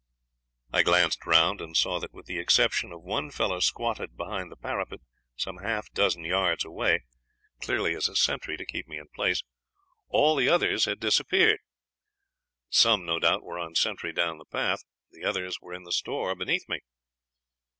"I glanced round and saw that, with the exception of one fellow squatted behind the parapet some half dozen yards away, clearly as a sentry to keep me in place, all the others had disappeared. Some, no doubt, were on sentry down the path, the others were in the store beneath me.